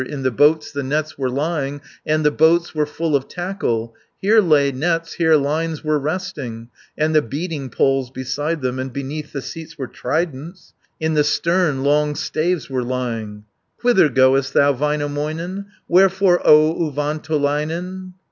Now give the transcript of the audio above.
In the boats the nets were lying, And the boats were full of tackle, Here lay nets, here lines were resting, And the beating poles beside them; And beneath the seats were tridents, In the stern, long staves were lying. 130 Whither goest thou, Väinämöinen, Wherefore, O Uvantolainen?"